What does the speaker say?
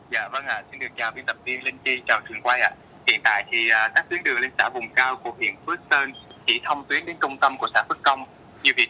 dạ vâng ạ xin được chào viên tập viên linh tri chào trường quay ạ